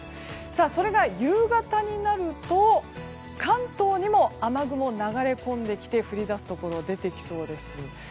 それが夕方になると関東にも雨雲が流れ込んできて降り出すところ出てきそうです。